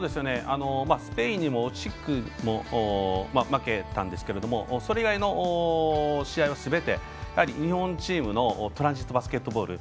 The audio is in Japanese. スペインに惜しくも負けたんですけれどもそれ以外の試合はすべて日本チームのトランジットバスケットボール。